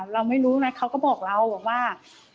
เราไม่รู้นะเขาก็บอกเราบอกว่า